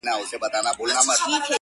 چا نارې وهلې چا ورته ژړله -